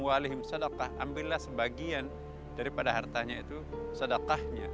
ambillah sebagian daripada hartanya itu sedekahnya